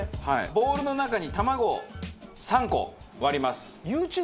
ボウルの中に卵３個を割ります。